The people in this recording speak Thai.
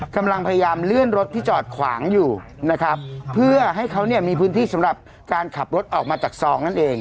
กำลังพยายามเลื่อนรถที่จอดขวางอยู่นะครับเพื่อให้เขาเนี่ยมีพื้นที่สำหรับการขับรถออกมาจากซองนั่นเอง